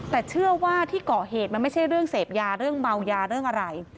แต่เชื่อว่าที่ก่อเหตุมันไม่ใช่เรื่องเสพยาเรื่องเมายาเรื่องอะไร